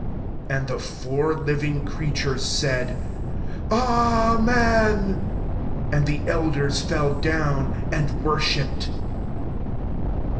14 And the four living creatures said, " Amen," And the elders fell down and wor shipped.